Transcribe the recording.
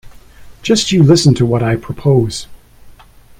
Just you listen to what I propose.